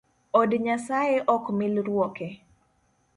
Od nyasaye ok milruoke